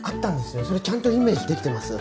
それちゃんとイメージできてます？